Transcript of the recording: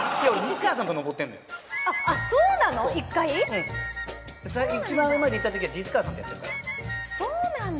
うん一番上まで行った時は實川さんとやってるからそうなんだ